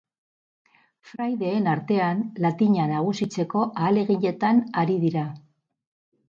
Fraideen artean, latina nagusitzeko ahaleginetan ari dira.